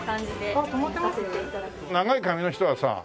長い髪の人はさ。